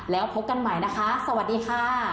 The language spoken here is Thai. แล้วพบกันใหม่นะคะสวัสดีค่ะ